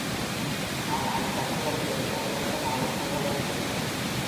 ஆனால் தத்துவ மேதையோ அவசரமாகப் போக வேண்டியதிருந்தது.